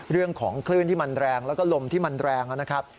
เรื่องของคลื่นที่มันแรงแล้วก็ลมที่มันแรงนะครับ